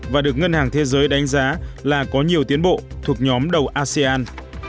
và được ngân hàng thế giới đánh giá là có nhiều tiến bộ thuộc nhóm đầu asean